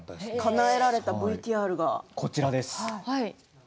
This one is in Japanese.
かなえられた ＶＴＲ があります。